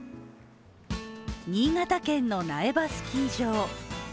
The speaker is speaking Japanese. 新潟県の苗場スキー場。